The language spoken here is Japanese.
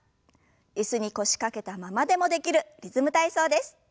椅子に腰掛けたままでもできる「リズム体操」です。